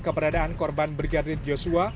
keberadaan korban brigadir joshua